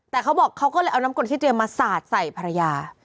แต่เขาบอกเขาก็เลยเอาน้ำกลที่เตรียมมาสาดใส่ภรรยา